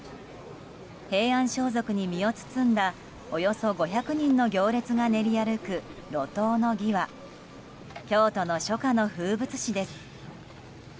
平安装束に身を包んだおよそ５００人の行列が練り歩く路頭の儀は京都の初夏の風物詩です。